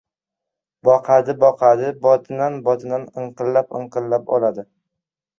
Boqadi-boqadi — botinan-botinan inqillab-inqillab oladi.